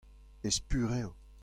ez purev.